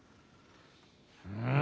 うん。